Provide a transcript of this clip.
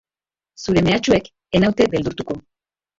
Zure mehatxuek ez naute beldurtuko.